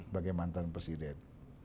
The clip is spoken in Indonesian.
bagai mantan presiden